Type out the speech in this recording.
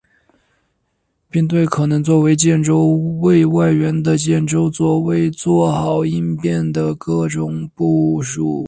并对可能作为建州卫外援的建州左卫作好应变的各种部署。